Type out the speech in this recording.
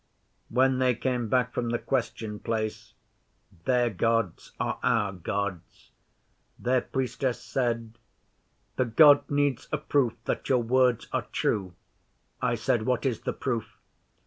'When they came back from the Question place (their Gods are our Gods), their Priestess said, "The God needs a proof that your words are true." I said, "What is the proof?"